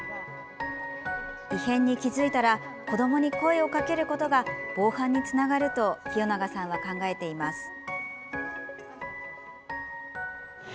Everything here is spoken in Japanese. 異変に気付いたら子どもに声をかけることが防犯につながると清永さんは考えています。